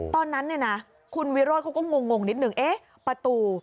ตอนนั้นเนี่ยนะคุณวิโรธเขาก็งงนิดนึงเอ๊ะประตู